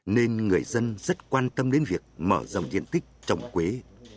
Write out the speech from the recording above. nên người dân rất quan tâm đến việc mở rộng diện tích trồng quế